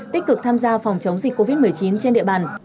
tích cực tham gia phòng chống dịch covid một mươi chín trên địa bàn